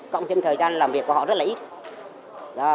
cộng thêm thời gian làm việc của họ rất là ít